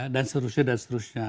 dan seterusnya dan seterusnya